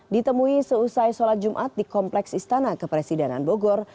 ditemui seusai sholat jumat di kompleks istana kepresidenan bogor